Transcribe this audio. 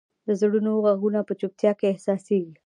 د زړونو ږغونه په چوپتیا کې احساسېږي.